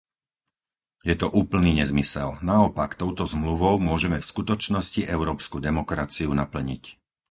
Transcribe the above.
Je to úplný nezmysel. Naopak, touto Zmluvou môžeme v skutočnosti európsku demokraciu naplniť.